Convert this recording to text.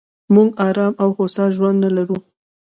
موږ ارام او هوسا ژوند نه لرو.